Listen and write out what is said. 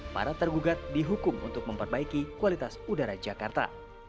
para tergugat dihukum untuk memperbaiki kualitas udara jakarta